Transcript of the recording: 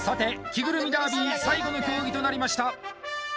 着ぐるみダービー最後の競技となりました